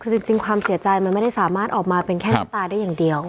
คือจริงความเสียใจมันไม่ได้สามารถออกมาเป็นแค่น้ำตาได้อย่างเดียว